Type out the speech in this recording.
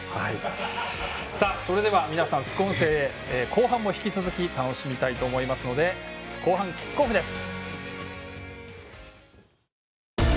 それでは皆さん、副音声後半も引き続き楽しみたいと思いますので後半、キックオフです。